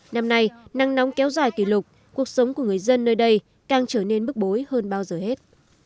năm nay năng nóng kéo dài kỷ lục cuộc sống của người dân nơi đây càng trở nên bức bối hơn bao giờ hết